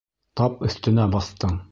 Тап өҫтөнә баҫтың.